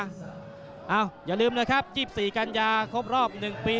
อย่าลืมนะครับ๒๔กันยาครบรอบ๑ปี